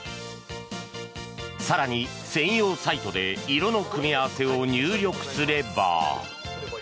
更に、専用サイトで色の組み合わせを入力すれば。